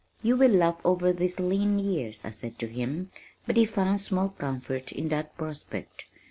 "You will laugh over these lean years," I said to him, but he found small comfort in that prospect.